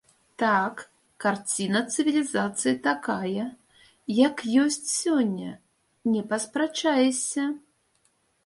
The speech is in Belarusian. Так, карціна цывілізацыі такая, як ёсць сёння, не паспрачаешся.